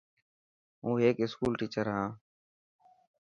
هون هيڪ اسڪول ٽيڇر هان.